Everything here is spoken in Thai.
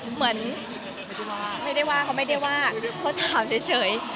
เหมือนไม่ได้ว่าเขาไม่ได้ว่าเขาถามเฉย